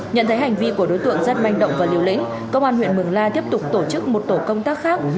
nhận thấy hành vi của đối tượng rất manh động và liều lĩnh công an huyện mường la tiếp tục tổ chức một tổ công tác khác